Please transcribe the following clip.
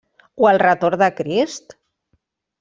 O el retorn de Crist?